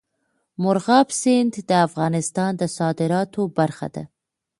مورغاب سیند د افغانستان د صادراتو برخه ده.